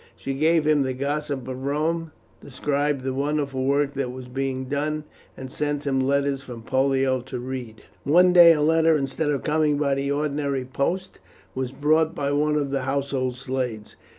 She gave him the gossip of Rome, described the wonderful work that was being done, and sent him letters from Pollio to read. One day a letter, instead of coming by the ordinary post, was brought by one of the household slaves.